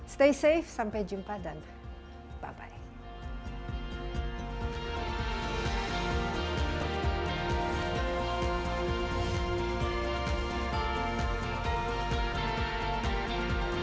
stay safe sampai jumpa dan bye